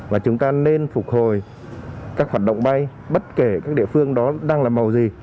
và chúng ta nên phục hồi các hoạt động bay bất kể các địa phương đó đang là màu gì